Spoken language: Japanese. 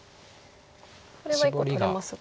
これは１個取れますが。